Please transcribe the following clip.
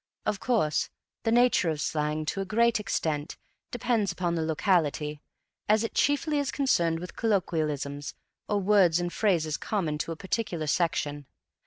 Of course, the nature of the slang, to a great extent, depends upon the locality, as it chiefly is concerned with colloquialisms or words and phrases common to a particular section.